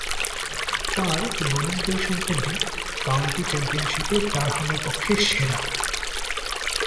তার এ বোলিং পরিসংখ্যানটি কাউন্টি চ্যাম্পিয়নশীপে ডারহামের পক্ষে সেরা।